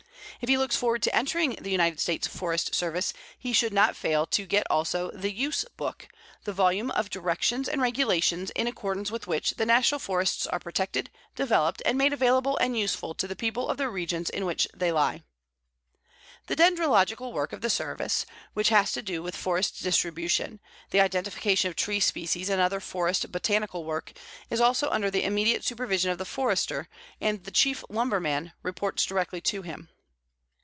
If he looks forward to entering the United States Forest Service, he should not fail to get also the Use Book, the volume of directions and regulations in accordance with which the National Forests are protected, developed, and made available and useful to the people of the regions in which they lie. The dendrological work of the Service, which has to do with forest distribution, the identification of tree species and other forest botanical work, is also under the immediate supervision of the Forester, and the Chief Lumberman reports directly to him.